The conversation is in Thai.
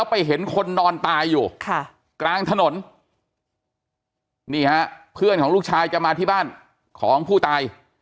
ไปเห็นคนนอนตายอยู่กลางถนนนี่ฮะเพื่อนของลูกชายจะมาที่บ้านของผู้ตาย